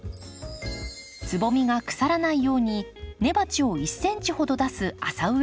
つぼみが腐らないように根鉢を１ｃｍほど出す浅植えにします。